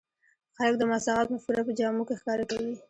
خلک د مساوات مفکوره په جامو کې ښکاره کوي.